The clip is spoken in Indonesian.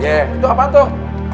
iya itu apaan tuh